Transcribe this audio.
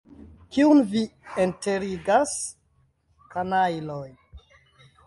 Kiun vi enterigas, kanajloj?